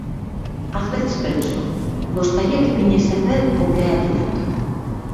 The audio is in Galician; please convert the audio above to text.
Ás veces penso: gostaría que viñesen ver o que hai aquí dentro.